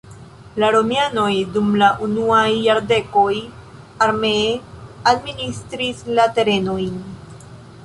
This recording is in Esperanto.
La romianoj dum la unuaj jardekoj armee administris la terenojn.